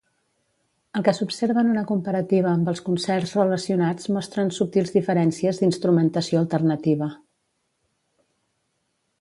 El que s'observa en una comparativa amb els concerts relacionats mostren subtils diferències d'instrumentació alternativa.